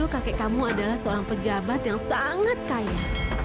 kakek kamu adalah seorang pejabat yang sangat kaya